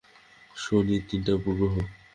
শনির তিনটা উপগ্রহ।